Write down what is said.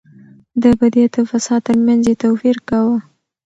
د بدعت او فساد ترمنځ يې توپير کاوه.